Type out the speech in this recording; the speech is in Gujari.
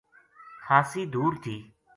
خاصی دور تھی